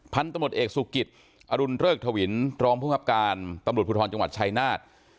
พันธุ์ตำลดเอกสุขิตอรุณเริกทวินทรองภูมิภัพการตำลดพุทธรจังหวัดชัยนาธ